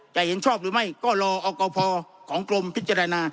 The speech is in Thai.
เห็นชอบหรือไม่ก็รอเอากพของกรมพิจารณา